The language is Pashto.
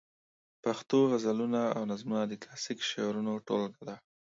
پښتو غزلونه او نظمونه د کلاسیک شعرونو ټولګه ده.